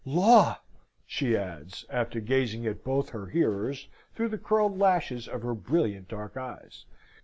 "Law!" she adds, after gazing at both her hearers through the curled lashes of her brilliant dark eyes.